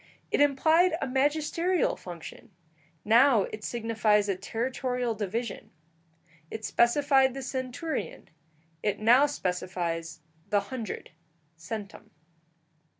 It implied a magisterial function; now it signifies a territorial division: it specified the centurion; it now specifies the hundred (centum).